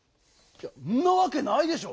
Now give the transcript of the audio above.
んなわけないでしょ！